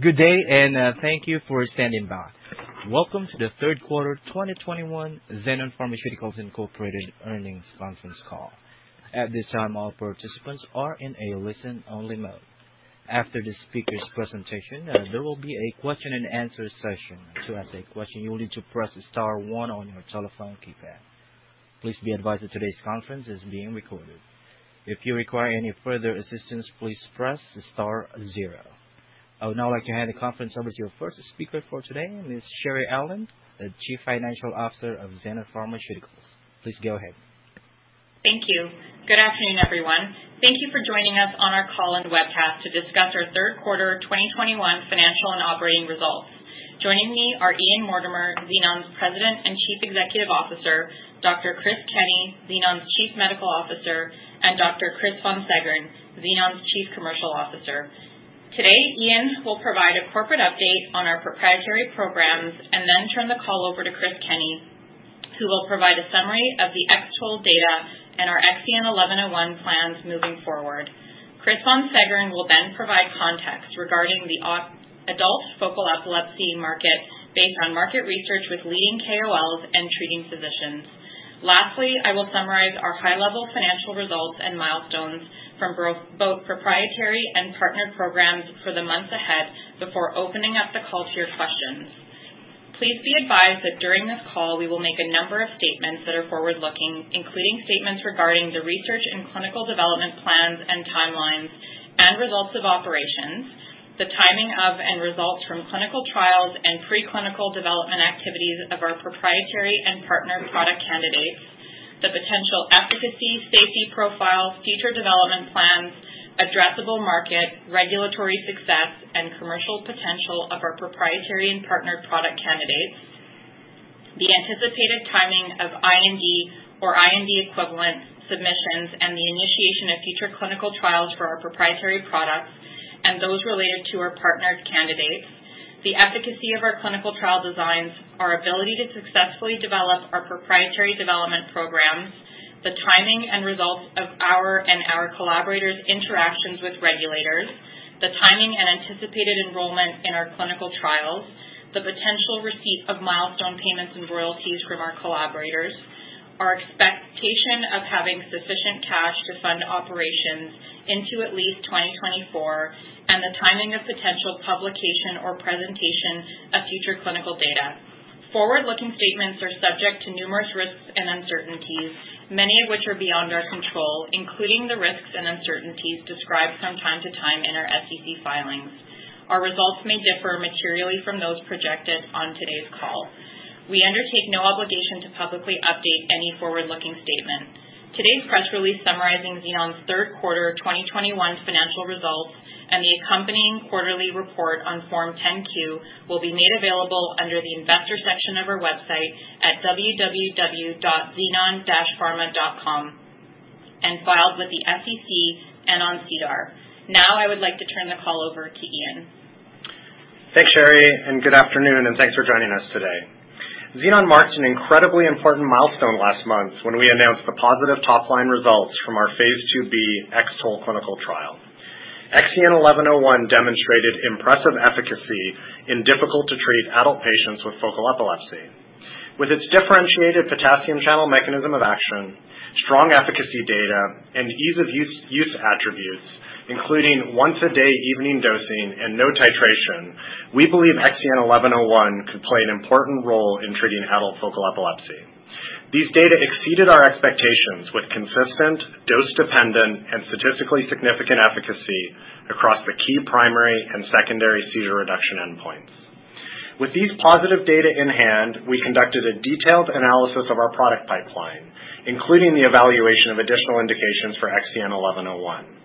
Good day, and thank you for standing by. Welcome to the third quarter 2021 Xenon Pharmaceuticals Incorporated earnings conference call. At this time, all participants are in a listen-only mode. After the speaker's presentation, there will be a question and answer session. To ask a question, you will need to press star one on your telephone keypad. Please be advised that today's conference is being recorded. If you require any further assistance, please press star zero. I would now like to hand the conference over to your first speaker for today, Ms. Sherry Aulin, the Chief Financial Officer of Xenon Pharmaceuticals. Please go ahead. Thank you. Good afternoon, everyone. Thank you for joining us on our call and webcast to discuss our third quarter 2021 financial and operating results. Joining me are Ian Mortimer, Xenon's President and Chief Executive Officer, Dr. Chris Kenney, Xenon's Chief Medical Officer, and Dr. Chris von Seggern, Xenon's Chief Commercial Officer. Today, Ian will provide a corporate update on our proprietary programs and then turn the call over to Chris Kenney, who will provide a summary of the X-TOLE data and our XEN1101 plans moving forward. Chris von Seggern will then provide context regarding the adult focal epilepsy market based on market research with leading KOLs and treating physicians. Lastly, I will summarize our high-level financial results and milestones from both proprietary and partner programs for the months ahead before opening up the call to your questions. Please be advised that during this call, we will make a number of statements that are forward-looking, including statements regarding the research and clinical development plans and timelines and results of operations, the timing of and results from clinical trials and preclinical development activities of our proprietary and partner product candidates, the potential efficacy, safety profiles, future development plans, addressable market, regulatory success, and commercial potential of our proprietary and partner product candidates, the anticipated timing of IND or IND equivalent submissions, and the initiation of future clinical trials for our proprietary products and those related to our partners' candidates, the efficacy of our clinical trial designs, our ability to successfully develop our proprietary development programs, the timing and results of our and our collaborators' interactions with regulators, the timing and anticipated enrollment in our clinical trials, the potential receipt of milestone payments and royalties from our collaborators, our expectation of having sufficient cash to fund operations into at least 2024, and the timing of potential publication or presentation of future clinical data. Forward-looking statements are subject to numerous risks and uncertainties, many of which are beyond our control, including the risks and uncertainties described from time to time in our SEC filings. Our results may differ materially from those projected on today's call. We undertake no obligation to publicly update any forward-looking statement. Today's press release summarizing Xenon's third quarter of 2021 financial results and the accompanying quarterly report on Form 10-Q will be made available under the investor section of our website at www.xenon-pharma.com and filed with the SEC and on SEDAR. Now, I would like to turn the call over to Ian. Thanks, Sherry, and good afternoon, and thanks for joining us today. Xenon marked an incredibly important milestone last month when we announced the positive top-line results from our phase II-B X-TOLE clinical trial. XEN1101 demonstrated impressive efficacy in difficult to treat adult patients with focal epilepsy. With its differentiated potassium channel mechanism of action, strong efficacy data, and ease of use attributes, including once a day evening dosing and no titration, we believe XEN1101 could play an important role in treating adult focal epilepsy. These data exceeded our expectations with consistent dose-dependent and statistically significant efficacy across the key primary and secondary seizure reduction endpoints. With these positive data in hand, we conducted a detailed analysis of our product pipeline, including the evaluation of additional indications for XEN1101.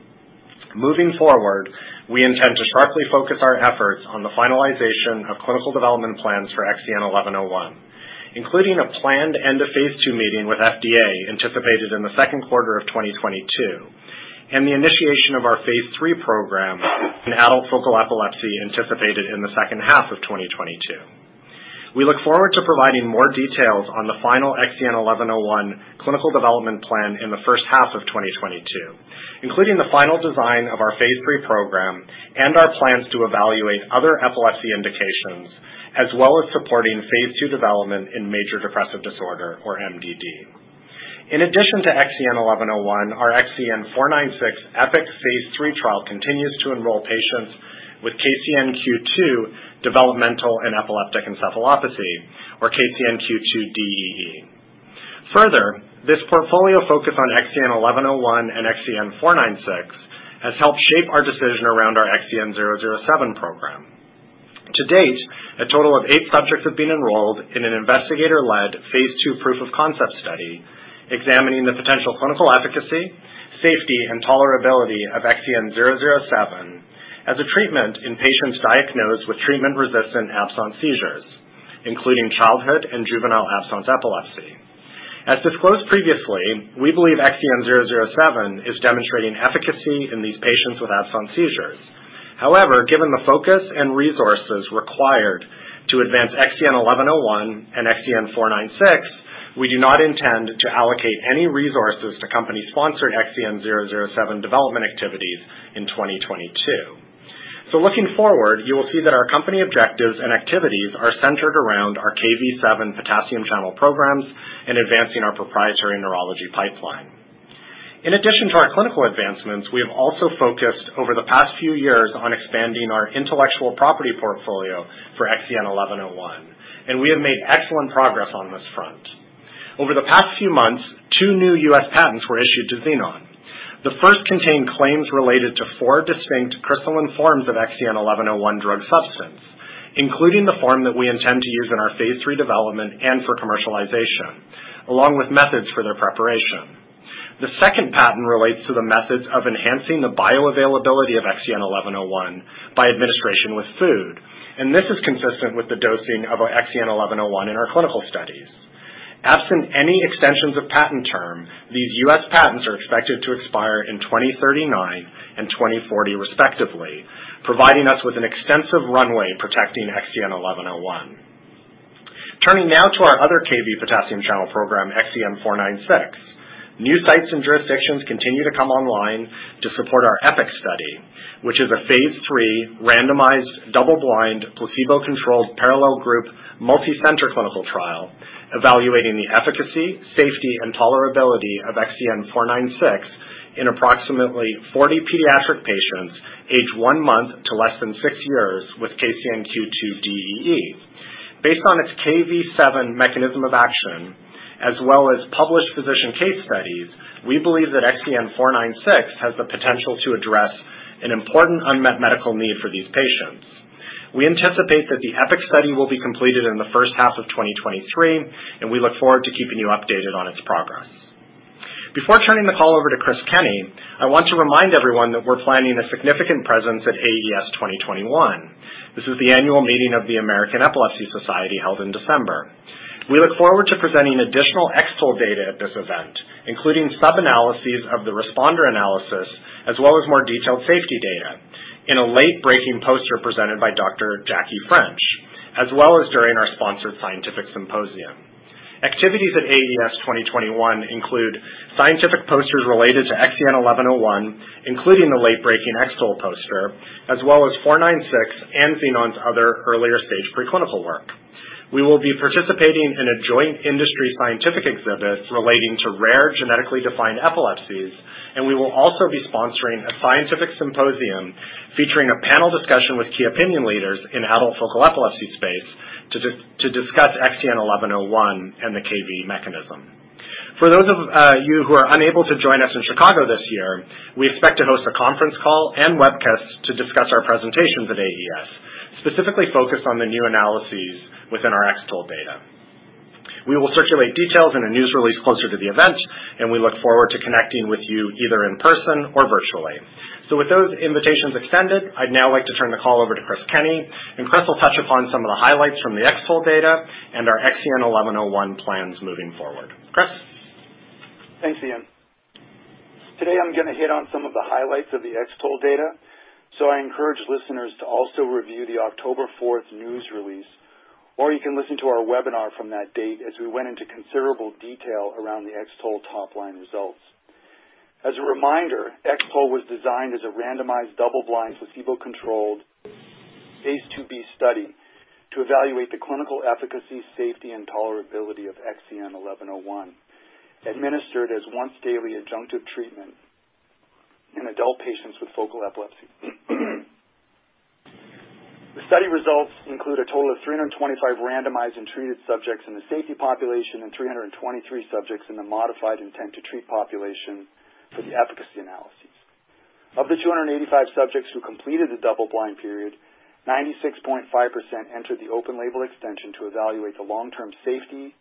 Moving forward, we intend to sharply focus our efforts on the finalization of clinical development plans for XEN1101 including a planned end-of-phase II meeting with FDA anticipated in Q2 2022, and the initiation of our phase III program in adult focal epilepsy anticipated in the second half of 2022. We look forward to providing more details on the final XEN1101 clinical development plan in the first half of 2022, including the final design of our phase III program and our plans to evaluate other epilepsy indications as well as supporting phase II development in major depressive disorder or MDD. In addition to XEN1101, our XEN496 EPIK phase III trial continues to enroll patients with KCNQ2 developmental and epileptic encephalopathy or KCNQ2-DEE. Further, this portfolio focus on XEN1101 and XEN496 has helped shape our decision around our XEN007 program. To date, a total of eight subjects have been enrolled in an investigator-led phase II proof of concept study examining the potential clinical efficacy, safety, and tolerability of XEN007 as a treatment in patients diagnosed with treatment-resistant absence seizures, including childhood and juvenile absence epilepsy. As disclosed previously, we believe XEN007 is demonstrating efficacy in these patients with absence seizures. However, given the focus and resources required to advance XEN1101 and XEN496 we do not intend to allocate any resources to company-sponsored XEN007 development activities in 2022. So, looking forward, you will see that our company objectives and activities are centered around our Kv7 potassium channel programs and advancing our proprietary neurology pipeline. In addition to our clinical advancements, we have also focused over the past few years on expanding our intellectual property portfolio for XEN1101, and we have made excellent progress on this front. Over the past few months, two new U.S. patents were issued to Xenon. The first contained claims related to four distinct crystalline forms of XEN1101 drug substance, including the form that we intend to use in our phase III development and for commercialization, along with methods for their preparation. The second patent relates to the methods of enhancing the bioavailability of XEN1101 by administration with food, and this is consistent with the dosing of XEN1101 in our clinical studies. Absent any extensions of patent term, these U.S. patents are expected to expire in 2039 and 2040 respectively, providing us with an extensive runway protecting XEN1101. Turning now to our other Kv potassium channel program, XEN496. New sites and jurisdictions continue to come online to support our EPIK study, which is a phase III randomized, double-blind, placebo-controlled, parallel-group, multicenter clinical trial evaluating the efficacy, safety, and tolerability of XEN496 in approximately 40 pediatric patients aged 1 month to less than 6 years with KCNQ2-DEE. Based on its Kv7 mechanism of action, as well as published physician case studies, we believe that XEN496 has the potential to address an important unmet medical need for these patients. We anticipate that the EPIK study will be completed in the first half of 2023, and we look forward to keeping you updated on its progress. Before turning the call over to Chris Kenney, I want to remind everyone that we're planning a significant presence at AES 2021. This is the annual meeting of the American Epilepsy Society, held in December. We look forward to presenting additional X-TOLE data at this event, including sub-analyses of the responder analysis, as well as more detailed safety data in a late-breaking poster presented by Dr. Jackie French, as well as during our sponsored scientific symposium. Activities at AES 2021 include scientific posters related to XEN1101, including the late-breaking X-TOLE poster, as well as XEN496 and Xenon's other earlier stage pre-clinical work. We will be participating in a joint industry scientific exhibit relating to rare genetically defined epilepsies, and we will also be sponsoring a scientific symposium featuring a panel discussion with key opinion leaders in adult focal epilepsy space to discuss XEN1101 and the Kv7 mechanism. For those of you who are unable to join us in Chicago this year, we expect to host a conference call and webcast to discuss our presentations at AES, specifically focused on the new analyses within our X-TOLE data. We will circulate details in a news release closer to the event, and we look forward to connecting with you either in person or virtually. With those invitations extended, I'd now like to turn the call over to Chris Kenney, and Chris will touch upon some of the highlights from the X-TOLE data and our XEN1101 plans moving forward. Chris? Thanks, Ian. Today, I'm gonna hit on some of the highlights of the X-TOLE data, so I encourage listeners to also review the October 4 news release, or you can listen to our webinar from that date as we went into considerable detail around the X-TOLE top-line results. As a reminder, X-TOLE was designed as a randomized double-blind, placebo-controlled phase II-B study to evaluate the clinical efficacy, safety, and tolerability of XEN1101, administered as once-daily adjunctive treatment in adult patients with focal epilepsy. The study results include a total of 325 randomized and treated subjects in the safety population and 323 subjects in the modified intent to treat population for the efficacy analysis. Of the 285 subjects who completed the double-blind period, 96.5% entered the open label extension to evaluate the long-term safety,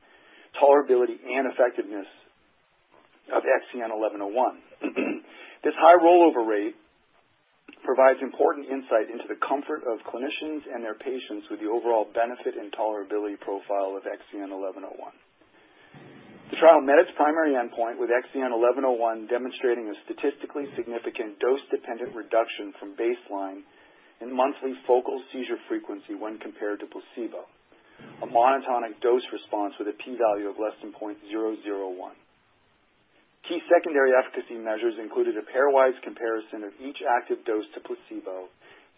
tolerability, and effectiveness of XEN1101. This high rollover rate provides important insight into the comfort of clinicians and their patients with the overall benefit and tolerability profile of XEN1101. The trial met its primary endpoint, with XEN1101 demonstrating a statistically significant dose-dependent reduction from baseline in monthly focal seizure frequency when compared to placebo. A monotonic dose response with a p-value of less than 0.001. Key secondary efficacy measures included a pairwise comparison of each active dose to placebo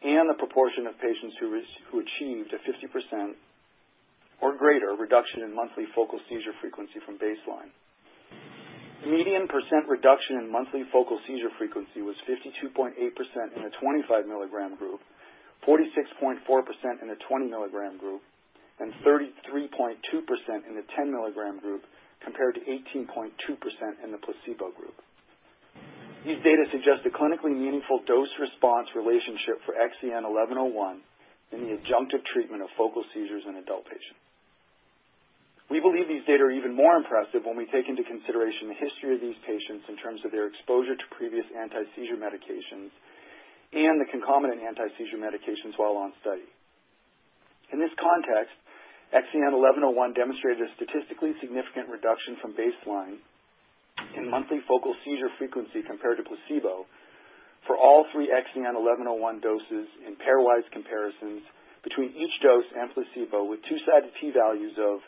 and the proportion of patients who achieved a 50% or greater reduction in monthly focal seizure frequency from baseline. Median percent reduction in monthly focal seizure frequency was 52.8% in the 25 mg group, 46.4% in the 20 mg group, and 33.2% in the 10 mg group, compared to 18.2% in the placebo group. These data suggest a clinically meaningful dose-response relationship for XEN1101 in the adjunctive treatment of focal seizures in adult patients. We believe these data are even more impressive when we take into consideration the history of these patients in terms of their exposure to previous antiseizure medications and the concomitant antiseizure medications while on study. In this context, XEN1101 demonstrated a statistically significant reduction from baseline in monthly focal seizure frequency compared to placebo for all three XEN1101 doses in pairwise comparisons between each dose and placebo, with two-sided P values of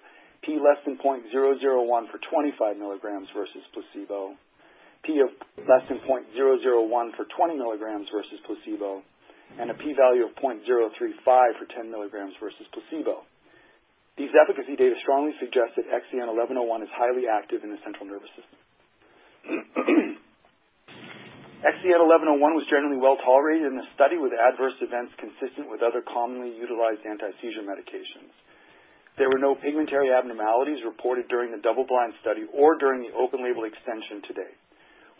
P of less than 0.001 for 25 mg versus placebo, P of less than 0.001 for 20 mg versus placebo, and a P value of 0.035 for 10 mg versus placebo. These efficacy data strongly suggest that XEN1101 is highly active in the central nervous system. XEN1101 was generally well tolerated in the study with adverse events consistent with other commonly utilized anti-seizure medications. There were no pigmentary abnormalities reported during the double-blind study or during the open label extension to date,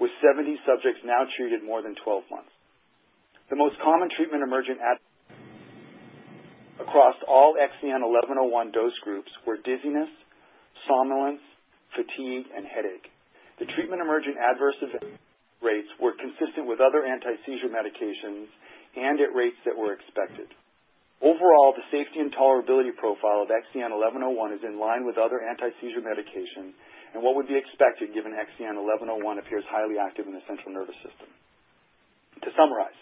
with 70 subjects now treated more than 12 months. The most common treatment-emergent AEs across all XEN1101 dose groups were dizziness, somnolence, fatigue, and headache. The treatment-emergent adverse event rates were consistent with other anti-seizure medications and at rates that were expected. Overall, the safety and tolerability profile of XEN1101 is in line with other anti-seizure medications and what would be expected given XEN1101 appears highly active in the central nervous system. To summarize,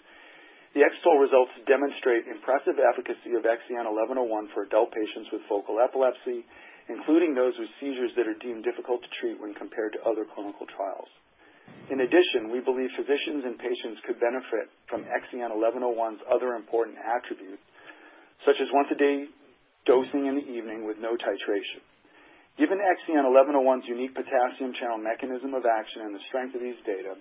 the X-TOLE results demonstrate impressive efficacy of XEN1101 for adult patients with focal epilepsy, including those with seizures that are deemed difficult to treat when compared to other clinical trials. In addition, we believe physicians and patients could benefit from XEN1101's other important attributes, such as once-a-day dosing in the evening with no titration. Given XEN1101's unique potassium channel mechanism of action and the strength of these data,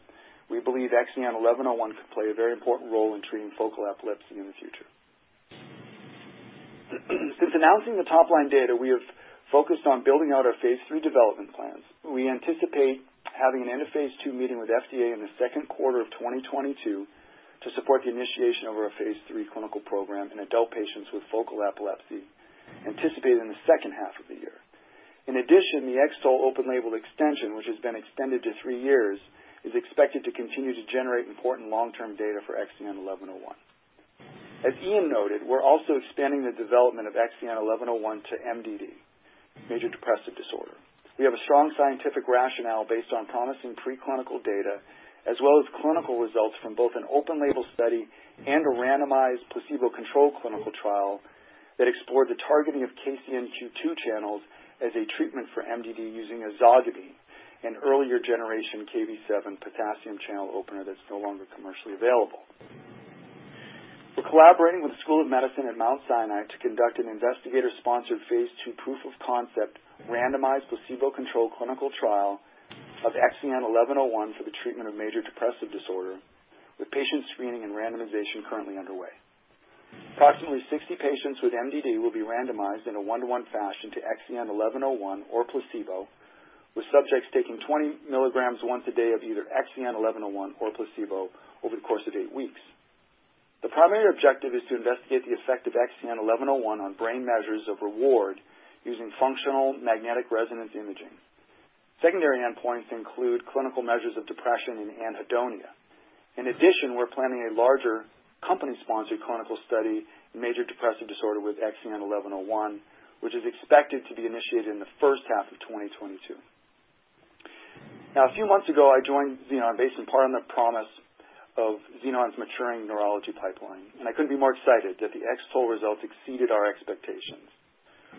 we believe XEN1101 could play a very important role in treating focal epilepsy in the future. Since announcing the top line data, we have focused on building out our phase III development plans. We anticipate having an end-of-phase II meeting with FDA in the second quarter of 2022 to support the initiation of our phase III clinical program in adult patients with focal epilepsy, anticipated in the second half of the year. In addition, the X-TOLE open-label extension, which has been extended to three years, is expected to continue to generate important long-term data for XEN1101. As Ian noted, we're also expanding the development of XEN1101 to MDD, major depressive disorder. We have a strong scientific rationale based on promising pre-clinical data as well as clinical results from both an open label study and a randomized placebo-controlled clinical trial that explored the targeting of KCNQ2 channels as a treatment for MDD using ezogabine, an earlier generation Kv7 potassium channel opener that's no longer commercially available. We're collaborating with the School of Medicine at Mount Sinai to conduct an investigator-sponsored phase II proof of concept randomized placebo-controlled clinical trial of XEN1101 for the treatment of major depressive disorder with patient screening and randomization currently underway. Approximately 60 patients with MDD will be randomized in a one-to-one fashion to XEN1101 or placebo, with subjects taking 20 mg once a day of either XEN1101 or placebo over the course of eight weeks. The primary objective is to investigate the effect of XEN1101 on brain measures of reward using functional magnetic resonance imaging. Secondary endpoints include clinical measures of depression and anhedonia. In addition, we're planning a larger company-sponsored clinical study in major depressive disorder with XEN1101, which is expected to be initiated in the first half of 2022. Now, a few months ago, I joined Xenon based in part on the promise of Xenon's maturing neurology pipeline, and I couldn't be more excited that the X-TOLE results exceeded our expectations,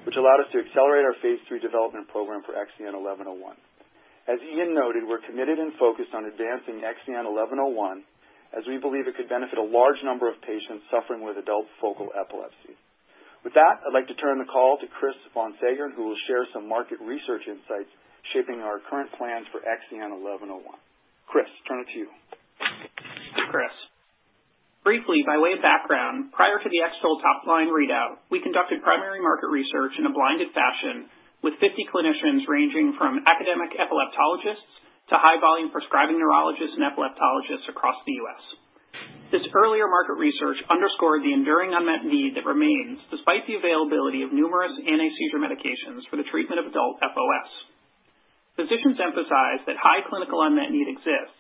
which allowed us to accelerate our phase III development program for XEN1101. As Ian noted, we're committed and focused on advancing XEN1101 as we believe it could benefit a large number of patients suffering with adult focal epilepsy. With that, I'd like to turn the call to Chris von Seggern, who will share some market research insights shaping our current plans for XEN1101. Chris, turn it to you. Briefly, by way of background, prior to the X-TOLE top line readout, we conducted primary market research in a blinded fashion with 50 clinicians ranging from academic epileptologists to high-volume prescribing neurologists and epileptologists across the U.S. This earlier market research underscored the enduring unmet need that remains despite the availability of numerous anti-seizure medications for the treatment of adult FOS. Physicians emphasized that high clinical unmet need exists,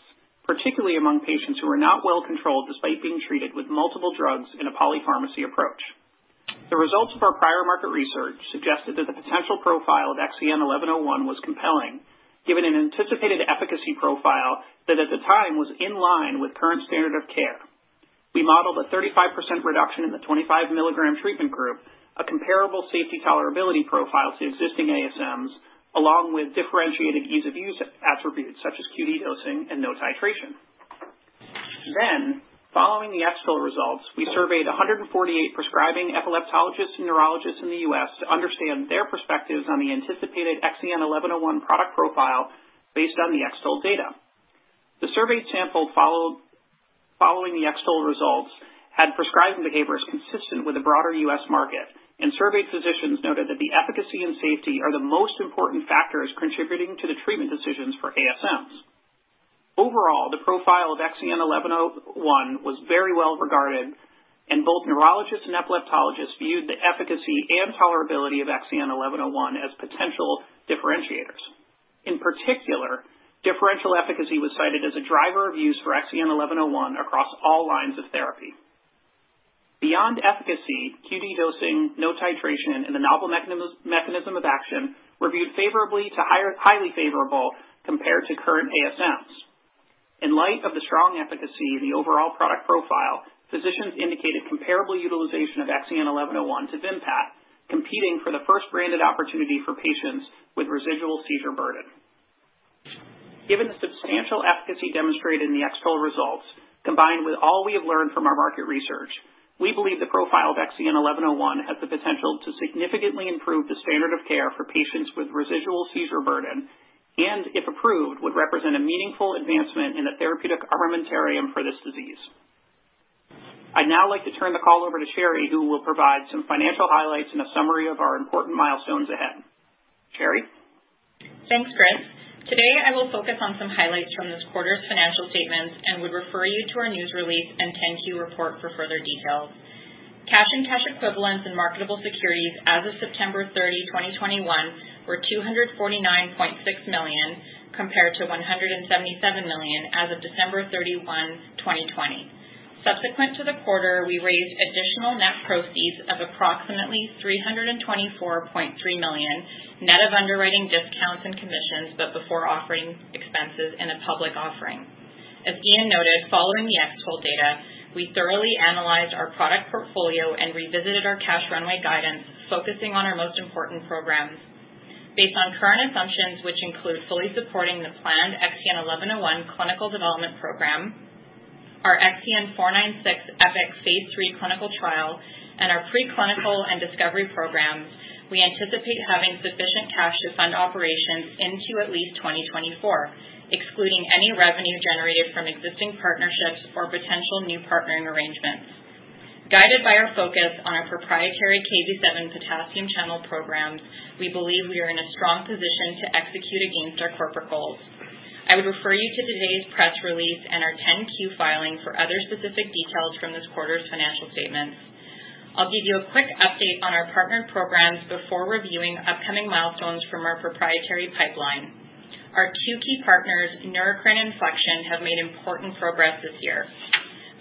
particularly among patients who are not well controlled despite being treated with multiple drugs in a polypharmacy approach. The results of our prior market research suggested that the potential profile of XEN1101 was compelling, given an anticipated efficacy profile that at the time was in line with current standard of care. We modeled a 35% reduction in the 25-mg treatment group, a comparable safety tolerability profile to existing ASMs, along with differentiated ease of use attributes such as QD dosing and no titration. Then, following the X-TOLE results, we surveyed 148 prescribing epileptologists and neurologists in the U.S. to understand their perspectives on the anticipated XEN1101 product profile based on the X-TOLE data. The survey sample following the X-TOLE results had prescribing behaviors consistent with the broader U.S. market, and surveyed physicians noted that the efficacy and safety are the most important factors contributing to the treatment decisions for ASMs. Overall, the profile of XEN1101 was very well regarded, and both neurologists and epileptologists viewed the efficacy and tolerability of XEN1101 as potential differentiators. In particular, differential efficacy was cited as a driver of use for XEN1101 across all lines of therapy. Beyond efficacy, QD dosing, no titration, and the novel mechanism of action reviewed favorably to highly favorable compared to current ASMs. In light of the strong efficacy, the overall product profile, physicians indicated comparable utilization of XEN1101 to Vimpat, competing for the first branded opportunity for patients with residual seizure burden. Given the substantial efficacy demonstrated in the X-TOLE results, combined with all we have learned from our market research, we believe the profile of XEN1101 has the potential to significantly improve the standard of care for patients with residual seizure burden and, if approved, would represent a meaningful advancement in the therapeutic armamentarium for this disease. I'd now like to turn the call over to Sherry, who will provide some financial highlights and a summary of our important milestones ahead. Sherry? Thanks, Chris. Today, I will focus on some highlights from this quarter's financial statements and would refer you to our news release and 10-Q report for further details. Cash and cash equivalents and marketable securities as of September 30, 2021 were $249.6 million, compared to $177 million as of December 31, 2020. Subsequent to the quarter, we raised additional net proceeds of approximately $324.3 million, net of underwriting discounts and commissions, but before offering expenses in a public offering. As Ian noted, following the X-TOLE data, we thoroughly analyzed our product portfolio and revisited our cash runway guidance, focusing on our most important programs. Based on current assumptions, which include fully supporting the planned XEN1101 clinical development program, our XEN496 EPIK phase III clinical trial, and our preclinical and discovery programs, we anticipate having sufficient cash to fund operations into at least 2024, excluding any revenue generated from existing partnerships or potential new partnering arrangements. Guided by our focus on our proprietary Kv7 potassium channel programs, we believe we are in a strong position to execute against our corporate goals. I would refer you to today's press release and our 10-Q filing for other specific details from this quarter's financial statements. I'll give you a quick update on our partnered programs before reviewing upcoming milestones from our proprietary pipeline. Our two key partners, Neurocrine and Flexion, have made important progress this year.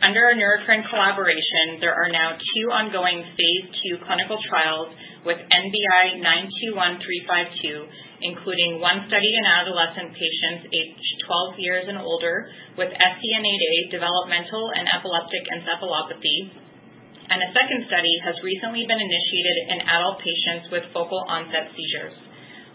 Under our Neurocrine collaboration, there are now two ongoing phase II clinical trials with NBI-921352, including one study in adolescent patients aged 12 years and older with SCN8A developmental and epileptic encephalopathy. A second study has recently been initiated in adult patients with focal onset seizures.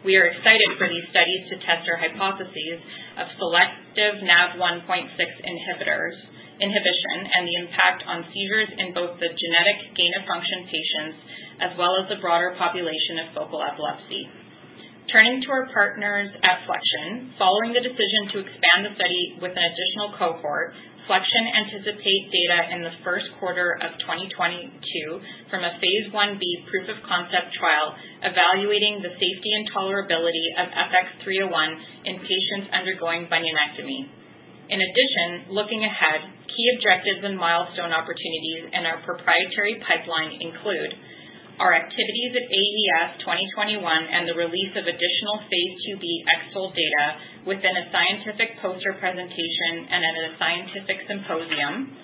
We are excited for these studies to test our hypotheses of selective Nav1.6 inhibition and the impact on seizures in both the genetic gain-of-function patients as well as the broader population of focal epilepsy. Turning to our partners at Flexion. Following the decision to expand the study with an additional cohort, Flexion anticipates data in the first quarter of 2022 from a phase I-B proof of concept trial evaluating the safety and tolerability of FX301 in patients undergoing bunionectomy. In addition, looking ahead, key objectives and milestone opportunities in our proprietary pipeline include our activities at AES 2021 and the release of additional phase II-B X-TOLE data within a scientific poster presentation and at a scientific symposium.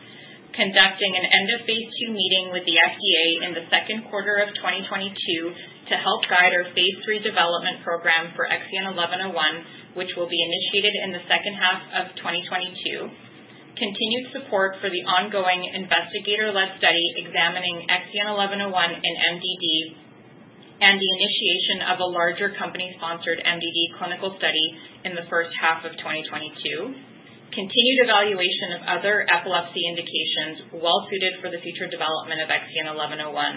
We plan to conduct an end-of-phase II meeting with the FDA in the second quarter of 2022 to help guide our phase III development program for XEN1101, which will be initiated in the second half of 2022. We will continue support for the ongoing investigator-led study examining XEN1101 in MDD and initiate a larger company-sponsored MDD clinical study in the first half of 2022. We will continue evaluation of other epilepsy indications well suited for the future development of XEN1101.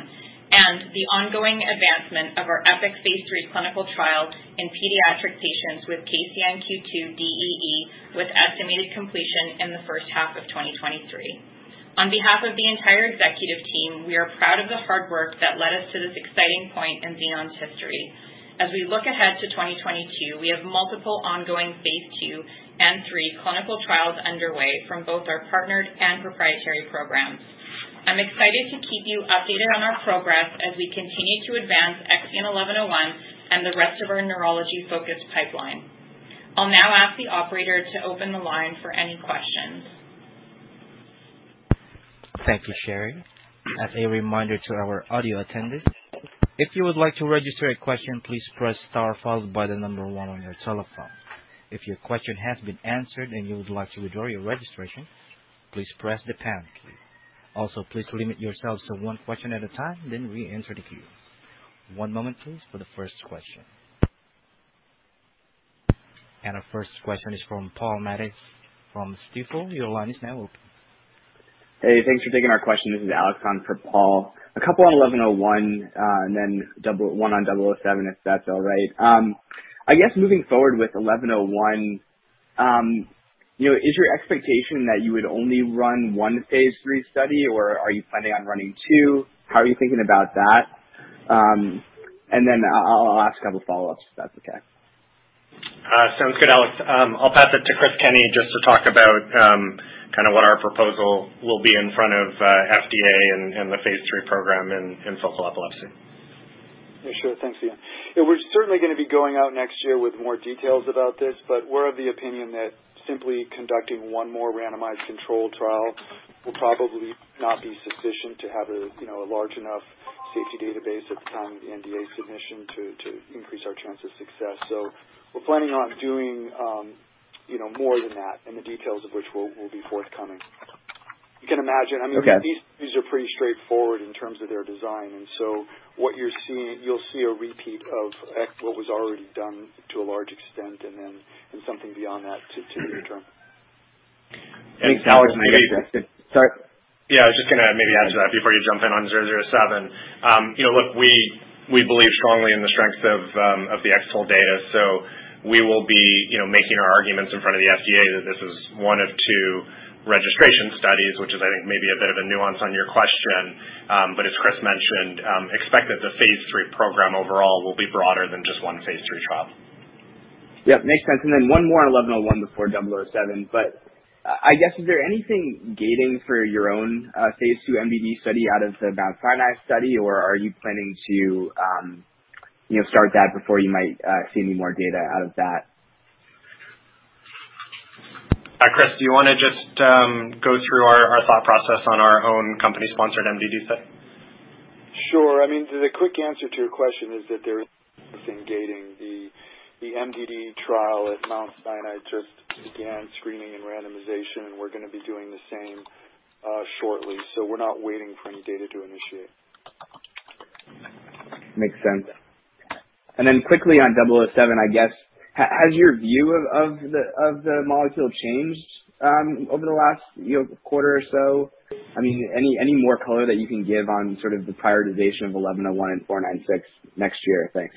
The ongoing advancement of our EPIK phase III clinical trial in pediatric patients with KCNQ2-DEE, with estimated completion in the first half of 2023. On behalf of the entire executive team, we are proud of the hard work that led us to this exciting point in Xenon's history. As we look ahead to 2022, we have multiple ongoing phase II and III clinical trials underway from both our partnered and proprietary programs. I'm excited to keep you updated on our progress as we continue to advance XEN1101 and the rest of our neurology-focused pipeline. I'll now ask the operator to open the line for any questions. Thank you, Sherry. As a reminder to our audio attendees, if you would like to register a question, please press star followed by the number one on your telephone. If your question has been answered and you would like to withdraw your registration, please press the pound key. Also, please limit yourselves to one question at a time, then re-enter the queue. One moment please for the first question. Our first question is from Paul Matteis from Stifel. Your line is now open. Hey, thanks for taking our question. This is Alex on for Paul. A couple on XEN1101, and then one on XEN007, if that's all right. I guess moving forward with XEN1101, you know, is your expectation that you would only run one phase III study, or are you planning on running two? How are you thinking about that? And then I'll ask a couple follow-ups if that's okay. Sounds good, Alex. I'll pass it to Chris Kenney just to talk about kinda what our proposal will be in front of FDA and the phase III program in focal epilepsy. Yeah, sure. Thanks, Ian. Yeah, we're certainly gonna be going out next year with more details about this, but we're of the opinion that simply conducting one more randomized controlled trial will probably not be sufficient to have a, you know, a large enough safety database at the time of the NDA submission to increase our chance of success. So, we're planning on doing, you know, more than that, and the details of which will be forthcoming. You can imagine, I mean. Okay. These are pretty straightforward in terms of their design. What you're seeing, you'll see a repeat of X, what was already done to a large extent, and then something beyond that to medium term. And- Alex, maybe Sorry. Yeah, I was just gonna maybe add to that before you jump in on XEN007. You know, look, we believe strongly in the strengths of the X-TOLE data, so we will be, you know, making our arguments in front of the FDA that this is one of two registration studies, which is, I think, maybe a bit of a nuance on your question. But as Chris mentioned, we expect that the phase III program overall will be broader than just one phase III trial. Yep, makes sense. One more on XEN1101 before XEN007, but I guess, is there anything gating for your own phase II MDD study out of the Mount Sinai study, or are you planning to, you know, start that before you might see any more data out of that? Chris, do you wanna just go through our thought process on our own company-sponsored MDD study? Sure. I mean, the quick answer to your question is that the MDD trial at Mount Sinai just began screening and randomization, and we're gonna be doing the same shortly. So, we're not waiting for any data to initiate. Makes sense. Quickly on XEN007, I guess, has your view of the molecule changed over the last, you know, quarter or so? I mean, any more color that you can give on sort of the prioritization of XEN1101 and XEN496 next year? Thanks.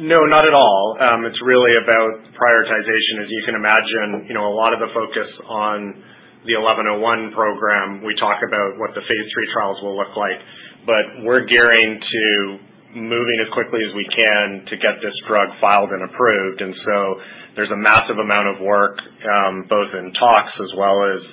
No, not at all. It's really about prioritization. As you can imagine, you know, a lot of the focus on the XEN1101 program, we talk about what the phase III trials will look like, but we're gearing to moving as quickly as we can to get this drug filed and approved. And so, there's a massive amount of work, both in tox as well as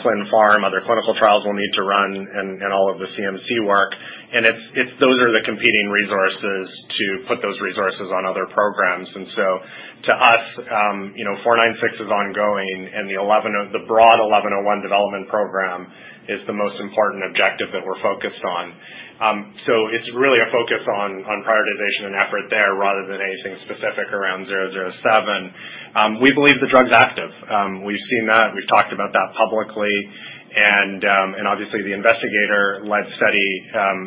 clin pharm, other clinical trials we'll need to run and all of the CMC work. It's those are the competing resources to put those resources on other programs. And so, to us, you know, four nine six is ongoing and the broad XEN1101 development program is the most important objective that we're focused on. So, it's really a focus on prioritization and effort there rather than anything specific around XEN007. We believe the drug's active. We've seen that. We've talked about that publicly. Obviously the investigator-led study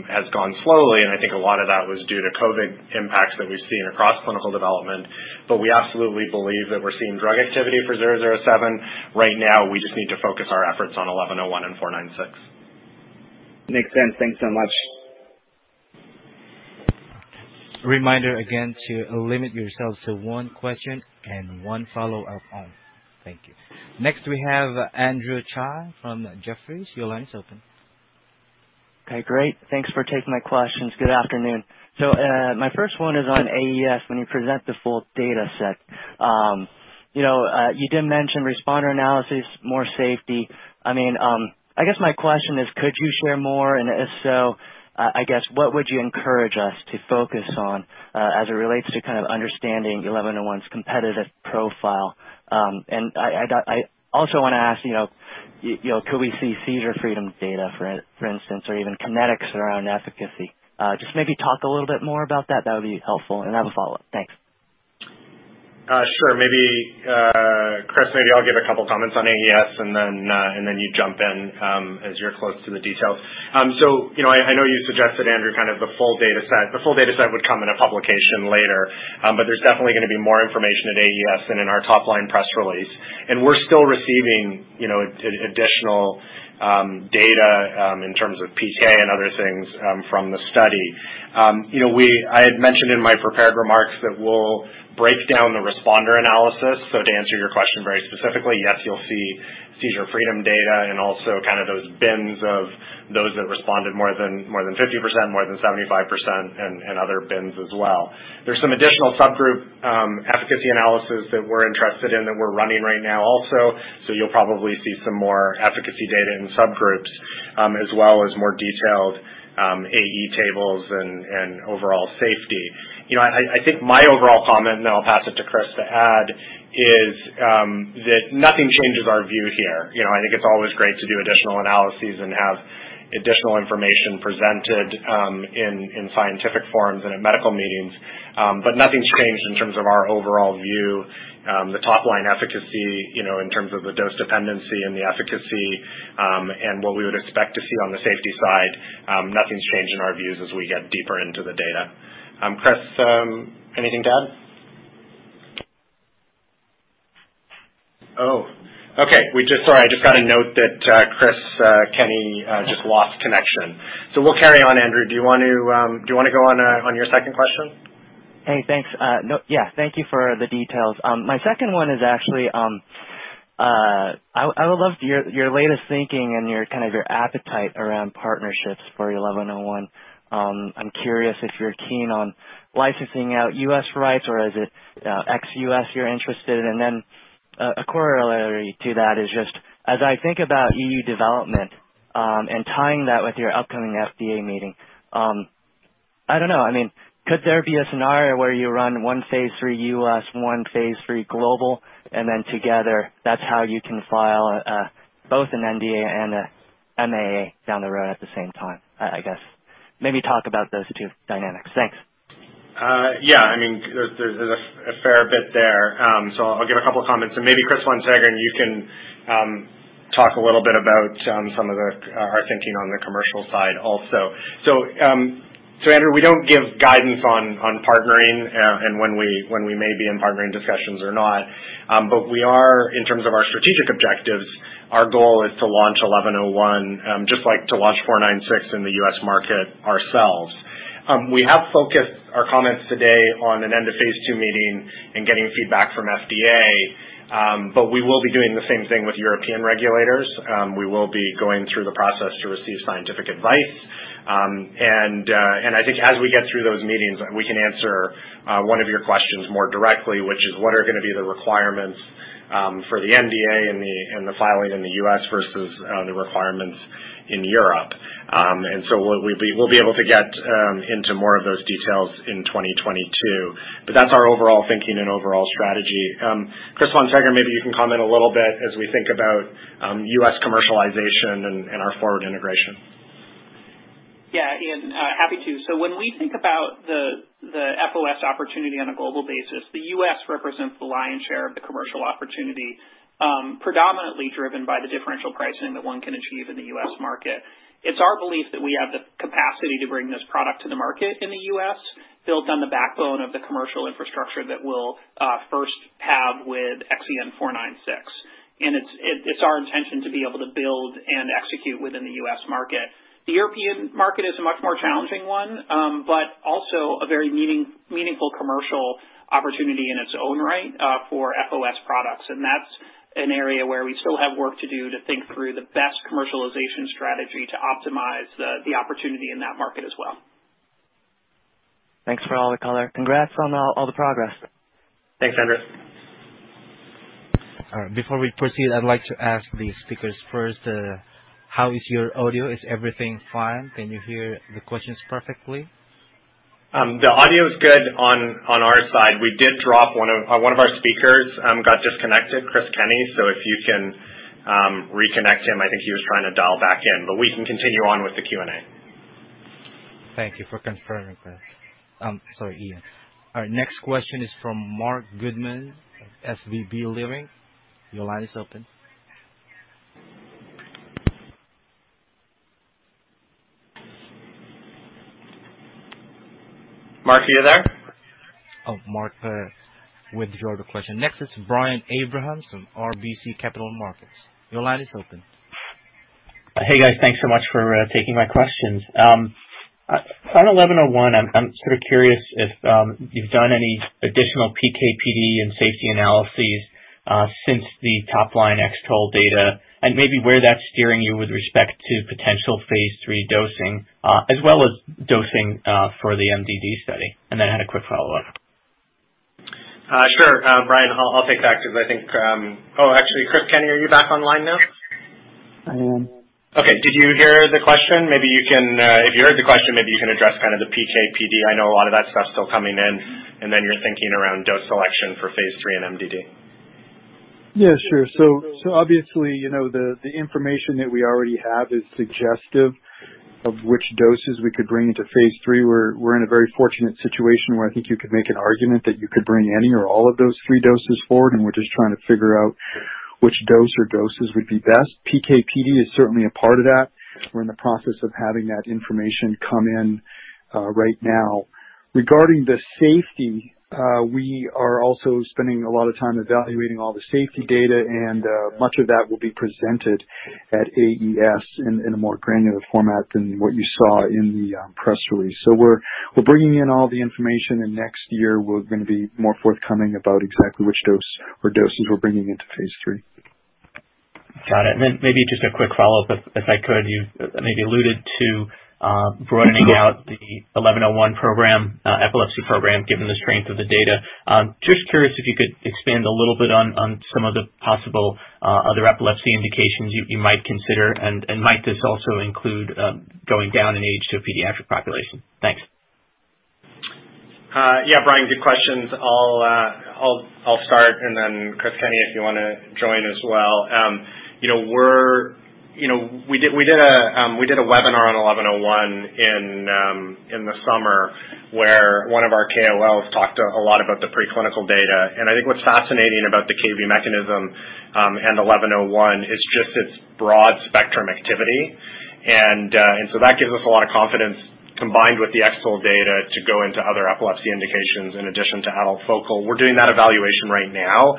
has gone slowly, and I think a lot of that was due to COVID impacts that we've seen across clinical development. We absolutely believe that we're seeing drug activity for XEN007. Right now, we just need to focus our efforts on XEN1101 and XEN496. Makes sense. Thanks so much. Reminder again to limit yourselves to one question and one follow-up only. Thank you. Next, we have Andrew Tsai from Jefferies. Your line is open. Okay, great. Thanks for taking my questions. Good afternoon. My first one is on AES when you present the full data set. You know, you did mention responder analysis, more safety. I mean, I guess my question is could you share more? And if so, I guess, what would you encourage us to focus on, as it relates to kind of understanding XEN1101's competitive profile? And I also wanna ask, you know, could we see seizure freedom data, for instance, or even kinetics around efficacy? Just maybe talk a little bit more about that. That would be helpful. I have a follow-up. Thanks. Sure. Maybe Chris, maybe I'll give a couple comments on AES, and then you jump in, as you're close to the details. You know, I know you suggested, Andrew, kind of the full data set. The full data set would come in a publication later. There's definitely gonna be more information at AES than in our top line press release. We're still receiving, you know, additional data in terms of PK and other things from the study. I had mentioned in my prepared remarks that we'll break down the responder analysis. To answer your question very specifically, yes, you'll see seizure freedom data and also kind of those bins of those that responded more than 50%, more than 75% and other bins as well. There's some additional subgroup efficacy analysis that we're interested in that we're running right now also. You'll probably see some more efficacy data in subgroups, as well as more detailed AE tables and overall safety. You know, I think my overall comment, and then I'll pass it to Chris to add, is that nothing changes our view here. You know, I think it's always great to do additional analyses and have additional information presented in scientific forums and at medical meetings. Nothing's changed in terms of our overall view. The top line efficacy, you know, in terms of the dose dependency and the efficacy, and what we would expect to see on the safety side, nothing's changed in our views as we get deeper into the data. Chris, anything to add? Oh, okay. Sorry, I just got a note that Chris Kenney just lost connection. We'll carry on. Andrew, do you wanna go on your second question? Hey, thanks. No. Yeah, thank you for the details. My second one is actually, I would love to hear your latest thinking and your, kind of your appetite around partnerships for XEN1101. I'm curious if you're keen on licensing out U.S. rights or is it, ex-U.S. you're interested in? A corollary to that is just as I think about EU development, and tying that with your upcoming FDA meeting, I don't know. I mean, could there be a scenario where you run one phase III U.S., one phase III global, and then together that's how you can file both an NDA and a MAA down the road at the same time, I guess. Maybe talk about those two dynamics. Thanks. Yeah, I mean, there's a fair bit there. I'll give a couple of comments, and maybe Chris von Seggern, you can talk a little bit about some of our thinking on the commercial side also. Andrew, we don't give guidance on partnering and when we may be in partnering discussions or not. In terms of our strategic objectives, our goal is to launch 1101, just like to launch 496 in the U.S. market ourselves. We have focused our comments today on an end-of-phase II meeting and getting feedback from FDA, but we will be doing the same thing with European regulators. We will be going through the process to receive scientific advice. I think as we get through those meetings, we can answer one of your questions more directly, which is what are gonna be the requirements for the NDA and the filing in the U.S. versus the requirements in Europe. And so, we'll be able to get into more of those details in 2022. That's our overall thinking and overall strategy. Chris von Seggern, maybe you can comment a little bit as we think about U.S. commercialization and our forward integration. Yeah, Ian, happy to. When we think about the FOS opportunity on a global basis, the U.S. represents the lion's share of the commercial opportunity, predominantly driven by the differential pricing that one can achieve in the U.S. market. It's our belief that we have the capacity to bring this product to the market in the U.S., built on the backbone of the commercial infrastructure that we'll first have with XEN496. And it's our intention to be able to build and execute within the U.S. market. The European market is a much more challenging one, but also a very meaningful commercial opportunity in its own right, for FOS products. That's an area where we still have work to do to think through the best commercialization strategy to optimize the opportunity in that market as well. Thanks for all the color. Congrats on all the progress. Thanks, Andrew. All right. Before we proceed, I'd like to ask the speakers first, how is your audio? Is everything fine? Can you hear the questions perfectly? The audio is good on our side. We did drop one of our speakers who got disconnected, Chris Kenney. If you can reconnect him, I think he was trying to dial back in. We can continue on with the Q&A. Thank you for confirming, Chris. Sorry, Ian. Our next question is from Marc Goodman, SVB Leerink. Your line is open. Marc, are you there? Oh, Mark, withdraw the question. Next is Brian Abrahams from RBC Capital Markets. Your line is open. Hey, guys. Thanks so much for taking my questions. On XEN1101, I'm sort of curious if you've done any additional PK/PD and safety analyses since the top line X-TOLE data and maybe where that's steering you with respect to potential phase III dosing, as well as dosing for the MDD study. I had a quick follow-up. Sure. Brian, I'll take that because I think. Oh, actually, Chris Kenney, are you back online now? I am. Okay. Did you hear the question? Maybe you can. If you heard the question, maybe you can address kind of the PK/PD. I know a lot of that stuff's still coming in. Then your thinking around dose selection for phase III and MDD. Yeah, sure. Obviously, you know, the information that we already have is suggestive of which doses we could bring into phase III. We're in a very fortunate situation where I think you could make an argument that you could bring any or all of those three doses forward, and we're just trying to figure out which dose or doses would be best. PK/PD is certainly a part of that. We're in the process of having that information come in right now. Regarding the safety, we are also spending a lot of time evaluating all the safety data, and much of that will be presented at AES in a more granular format than what you saw in the press release. We're bringing in all the information, and next year we're gonna be more forthcoming about exactly which dose or doses we're bringing into phase III. Got it. Maybe just a quick follow-up, if I could. You maybe alluded to broadening out the XEN1101 program, epilepsy program, given the strength of the data. Just curious if you could expand a little bit on some of the possible other epilepsy indications you might consider, and might this also include going down in age to a pediatric population? Thanks. Yeah, Brian, good questions. I'll start, and then Chris Kenney, if you wanna join as well. You know, we did a webinar on XEN1101 in the summer where one of our KOLs talked a lot about the preclinical data. I think what's fascinating about the Kv mechanism and XEN1101 is just its broad spectrum activity. And so that gives us a lot of confidence, combined with the X-TOLE data, to go into other epilepsy indications in addition to adult focal. We're doing that evaluation right now.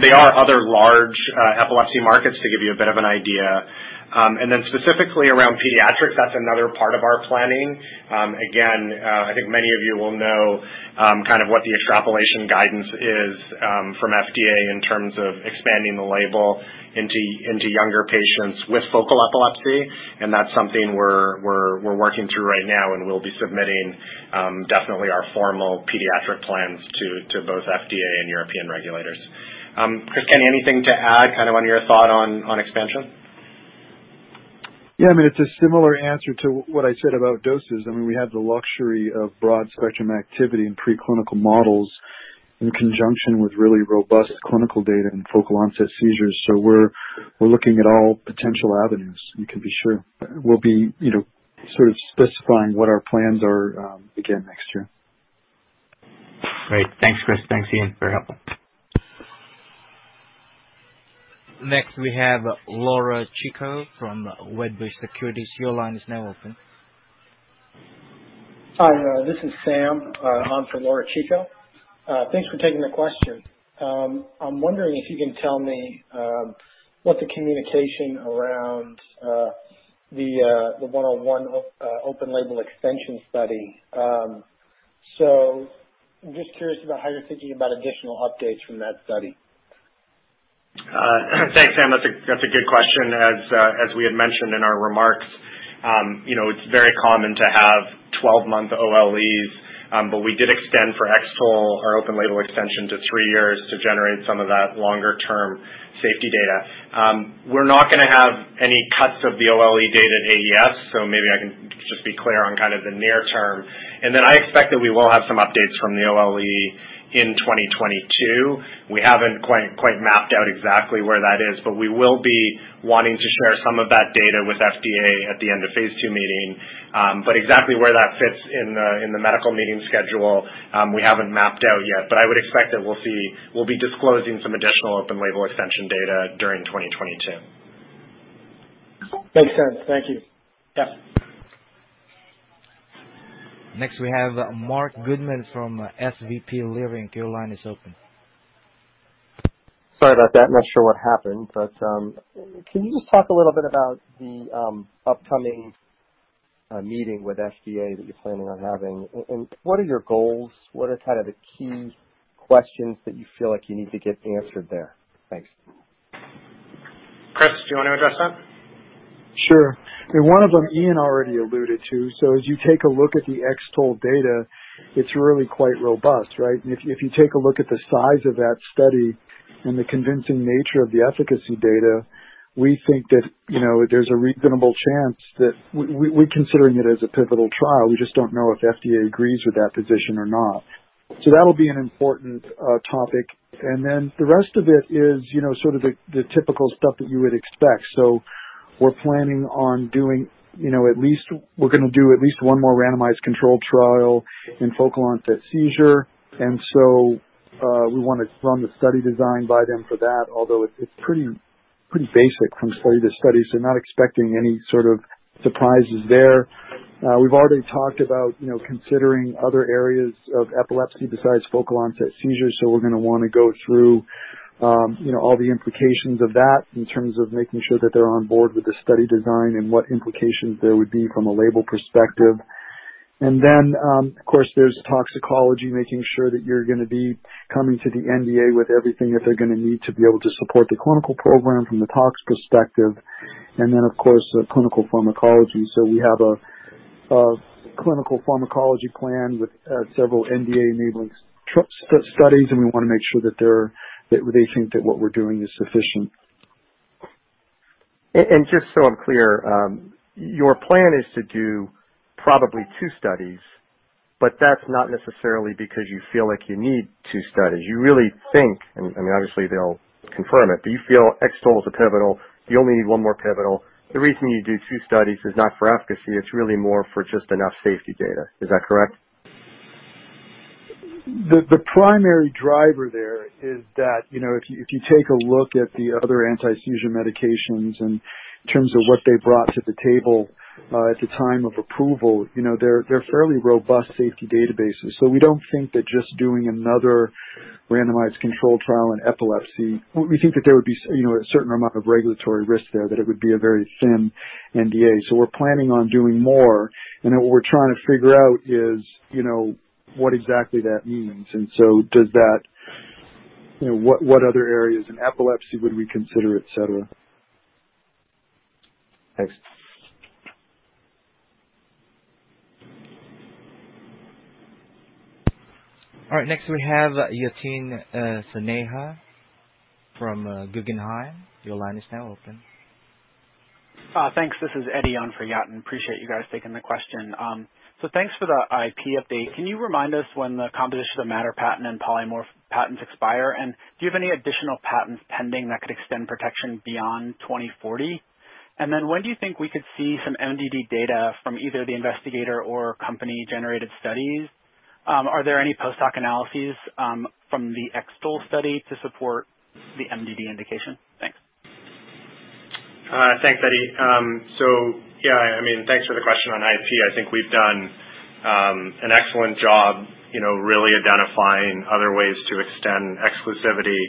There are other large epilepsy markets, to give you a bit of an idea. Specifically around pediatrics, that's another part of our planning. Again, I think many of you will know kind of what the extrapolation guidance is from FDA in terms of expanding the label into younger patients with focal epilepsy, and that's something we're working through right now, and we'll be submitting definitely our formal pediatric plans to both FDA and European regulators. Chris Kenney, anything to add kind of on your thought on expansion? Yeah, I mean, it's a similar answer to what I said about doses. I mean, we have the luxury of broad spectrum activity in preclinical models in conjunction with really robust clinical data in focal onset seizures. So we're looking at all potential avenues. You can be sure. We'll be, you know, sort of specifying what our plans are, again next year. Great. Thanks, Chris. Thanks, Ian, for your help. Next, we have Laura Chico from Wedbush Securities. Your line is now open. Hi, this is Sam on for Laura Chico. Thanks for taking the question. I'm wondering if you can tell me what the communication around the XEN1101 open-label extension study. So, just curious about how you're thinking about additional updates from that study? Thanks, Sam. That's a good question. As we had mentioned in our remarks, you know, it's very common to have 12-month OLEs, but we did extend for X-TOLE our open label extension to three years to generate some of that longer term safety data. We're not gonna have any cuts of the OLE data at AES, so maybe I can just be clear on kind of the near term. I expect that we will have some updates from the OLE in 2022. We haven't quite mapped out exactly where that is, but we will be wanting to share some of that data with FDA at the end of phase II meeting. But exactly where that fits in in the medical meeting schedule, we haven't mapped out yet, but I would expect that we'll see. We'll be disclosing some additional open-label extension data during 2022. Makes sense. Thank you. Yeah. Next, we have Marc Goodman from SVB Leerink. Your line is open. Sorry about that. Not sure what happened, but can you just talk a little bit about the upcoming meeting with FDA that you're planning on having? And what are your goals? What are kind of the key questions that you feel like you need to get answered there? Thanks. Chris, do you wanna address that? Sure. I mean, one of them, Ian already alluded to. As you take a look at the X-TOLE data, it's really quite robust, right? And if you take a look at the size of that study and the convincing nature of the efficacy data, we think that, you know, there's a reasonable chance that we're considering it as a pivotal trial. We just don't know if FDA agrees with that position or not. That'll be an important topic. Then the rest of it is, you know, sort of the typical stuff that you would expect. We're planning on doing, you know, at least we're gonna do at least one more randomized controlled trial in focal onset seizure. We wanna run the study design by them for that, although it's pretty basic from study to study, so not expecting any sort of surprises there. We've already talked about, you know, considering other areas of epilepsy besides focal onset seizures. We're gonna wanna go through, you know, all the implications of that in terms of making sure that they're on board with the study design and what implications there would be from a label perspective. Of course, there's toxicology, making sure that you're gonna be coming to the NDA with everything that they're gonna need to be able to support the clinical program from the tox perspective. Of course, the clinical pharmacology. So, we have a clinical pharmacology plan with several NDA-enabling studies, and we wanna make sure that they think that what we're doing is sufficient. Just so I'm clear, your plan is to do probably two studies, but that's not necessarily because you feel like you need two studies. You really think, I mean, obviously they'll confirm it, but you feel X-TOLE is a pivotal. You only need one more pivotal. The reason you do two studies is not for efficacy, it's really more for just enough safety data. Is that correct? The primary driver there is that, you know, if you take a look at the other antiseizure medications in terms of what they brought to the table at the time of approval, you know, they're fairly robust safety databases. So, we don't think that just doing another randomized controlled trial in epilepsy. We think that there would be, you know, a certain amount of regulatory risk there, that it would be a very thin NDA. So, we're planning on doing more, and what we're trying to figure out is, you know, what exactly that means. And so does that, you know, what other areas in epilepsy would we consider, et cetera. Thanks. All right. Next we have Yatin Suneja from Guggenheim. Your line is now open. Thanks. This is Eddie on for Yatin. Appreciate you guys taking the question. Thanks for the IP update. Can you remind us when the composition of matter patent and polymorph patents expire? And do you have any additional patents pending that could extend protection beyond 2040? And then when do you think we could see some MDD data from either the investigator or company-generated studies? Are there any post-hoc analyses from the X-TOLE study to support the MDD indication? Thanks. Thanks, Eddie. I mean, thanks for the question on IP. I think we've done an excellent job, you know, really identifying other ways to extend exclusivity.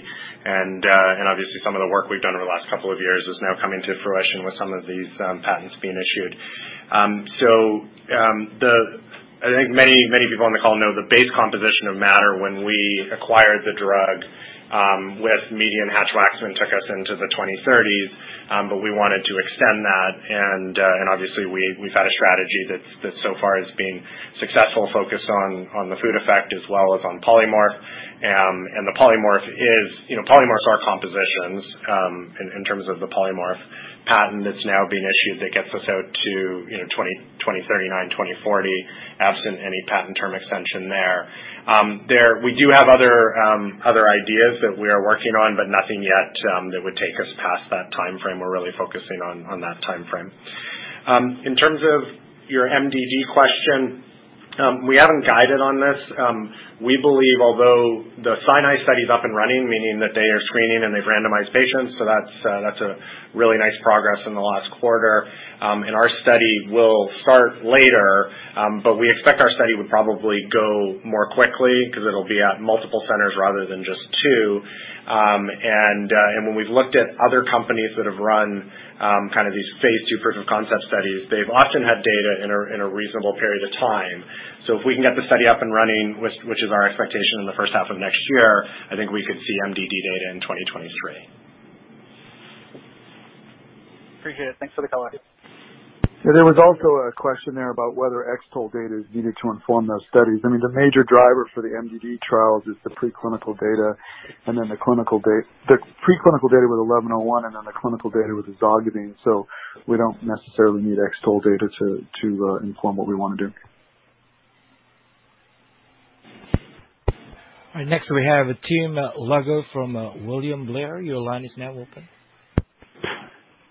Obviously some of the work we've done over the last couple of years is now coming to fruition with some of these patents being issued. I think many people on the call know the base composition of matter when we acquired the drug, under Hatch-Waxman took us into the 2030s, but we wanted to extend that, and obviously we've had a strategy that's so far has been successful focus on the food effect as well as on polymorph. And the polymorph is, you know, polymorphs are compositions, in terms of the polymorph patent that's now being issued, that gets us out to, you know, 2039, 2040, absent any patent term extension there. There we do have other ideas that we are working on, but nothing yet that would take us past that timeframe. We're really focusing on that timeframe. In terms of your MDD question, we haven't guided on this. We believe although the Mount Sinai study's up and running, meaning that they are screening and they've randomized patients, so that's a really nice progress in the last quarter. Our study will start later, but we expect our study would probably go more quickly 'cause it'll be at multiple centers rather than just two. And when we've looked at other companies that have run kind of these phase II proof of concept studies, they've often had data in a reasonable period of time. So if we can get the study up and running, which is our expectation in the first half of next year, I think we could see MDD data in 2023. Appreciate it. Thanks for the color. Yeah, there was also a question there about whether X-TOLE data is needed to inform those studies. I mean, the major driver for the MDD trials is the preclinical data with XEN1101 and then the clinical data with ezogabine. So we don't necessarily need X-TOLE data to inform what we wanna do. All right. Next, we have Tim Lugo from William Blair. Your line is now open.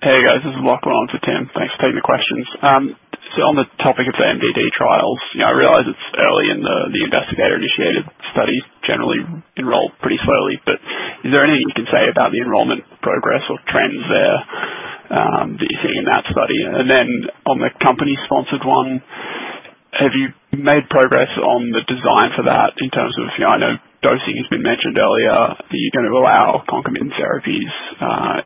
Hey, guys. This is Lachlan for Tim. Thanks for taking the questions. On the topic of the MDD trials, you know, I realize it's early in the investigator-initiated study generally enrolled pretty slowly, but is there anything you can say about the enrollment progress or trends there that you're seeing in that study? On the company-sponsored one, have you made progress on the design for that in terms of, you know, I know dosing has been mentioned earlier, are you gonna allow concomitant therapies,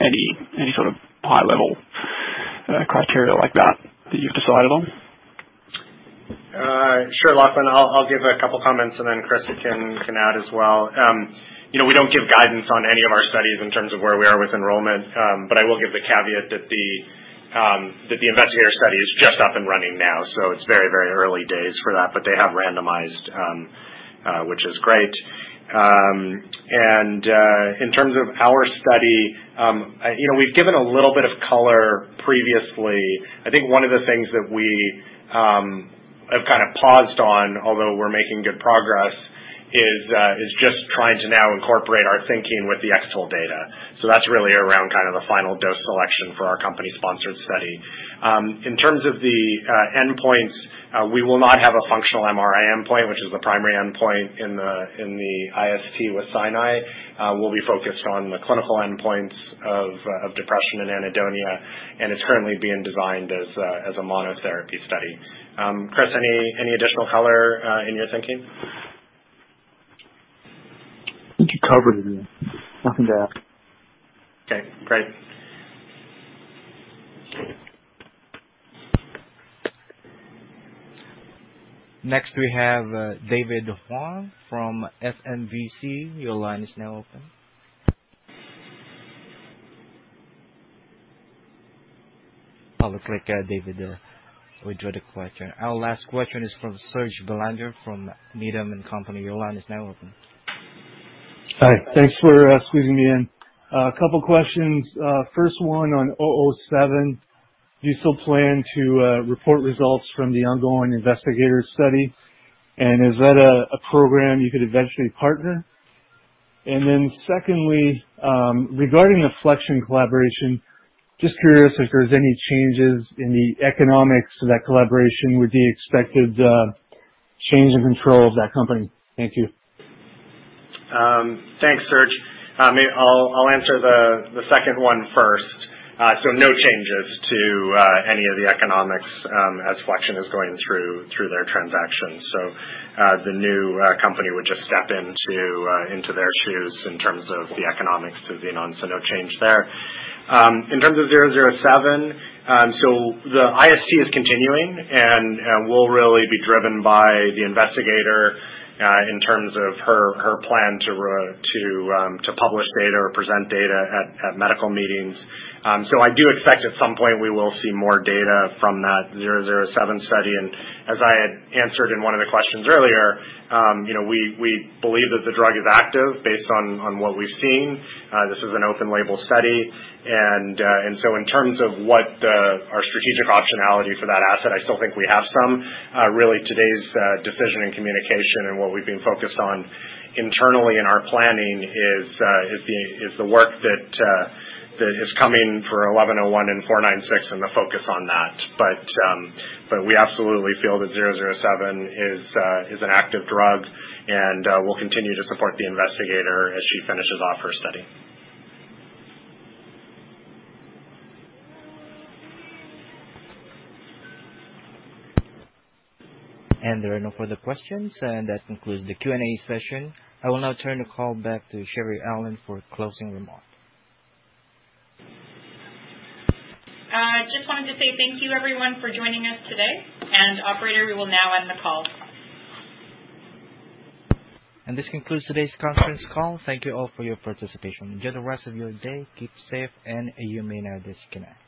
any sort of high level criteria like that that you've decided on? Sure, Lachlan. I'll give a couple comments and then Chris can add as well. You know, we don't give guidance on any of our studies in terms of where we are with enrollment. But I will give the caveat that the investigator study is just up and running now, so it's very early days for that, but they have randomized, which is great. And in terms of our study, you know, we've given a little bit of color previously. I think one of the things that we have kind of paused on, although we're making good progress, is just trying to now incorporate our thinking with the X-TOLE data. So, that's really around kind of the final dose selection for our company-sponsored study. In terms of the endpoints, we will not have a functional MRI endpoint, which is the primary endpoint in the IST with Mount Sinai. We'll be focused on the clinical endpoints of depression and anhedonia, and it's currently being designed as a monotherapy study. Chris, any additional color in your thinking? I think you covered it. Nothing to add. Okay, great. Next, we have David Huang from SMBC. Your line is now open. It looks like David withdrew the question. Our last question is from Serge Belanger from Needham & Company. Your line is now open. Hi. Thanks for squeezing me in. A couple questions. First one on XEN007. Do you still plan to report results from the ongoing investigator study? Is that a program you could eventually partner? Secondly, regarding the Flexion collaboration, just curious if there's any changes in the economics of that collaboration with the expected change in control of that company? Thank you. Thanks, Serge. I'll answer the second one first. No changes to any of the economics as Flexion is going through their transactions. The new company would just step into their shoes in terms of the economics to the Xenon. So, no change there. In terms of XEN007, so the IST is continuing and will really be driven by the investigator in terms of her plan to publish data or present data at medical meetings. So, I do expect at some point we will see more data from that XEN007 study. And as I had answered in one of the questions earlier, we believe that the drug is active based on what we've seen. This is an open label study. And so, in terms of what our strategic optionality for that asset, I still think we have some really today's decision and communication in what we've been focused on internally in our planning is the work that that is coming for XEN1101 and XEN496 and the focus on that. But we absolutely feel that XEN007 is an active drug and we'll continue to support the investigator as she finishes off her study. And there are no further questions and that concludes the Q&A session. I will now turn the call back to Sherry Aulin for closing remark. I just wanted to say thank you everyone for joining us today and operator we will now end the call. And this concludes today's conference call. Thank you all for your participation. Enjoy the rest of your day. Keep safe and you may not disconnect.